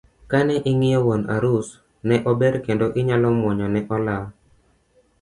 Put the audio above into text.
Kane ing'iyo wuon arus ne ober kendo inyalo muonyo ne olaw.